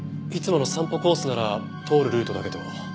いつもの散歩コースなら通るルートだけど。